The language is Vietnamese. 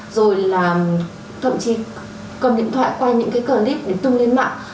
rồi là thậm chí cầm điện thoại quay những clip để tung lên mạng